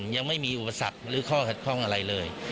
ยังไม่มีอุปสรรคหรือข้อขัดข้องอะไรเลย